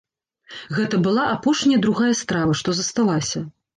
Гэта была апошняя другая страва, што засталася.